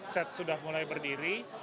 set sudah mulai berdiri